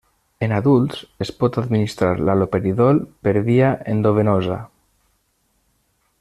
En adults es pot administrar l'haloperidol per via endovenosa.